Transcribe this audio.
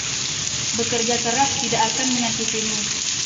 Bekerja keras tidak akan menyakitimu.